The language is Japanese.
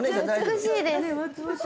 美しいです。